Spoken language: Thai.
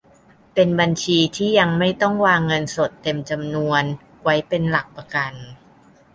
เป็นบัญชีที่ยังไม่ต้องวางเงินสดเต็มจำนวนไว้เป็นหลักประกัน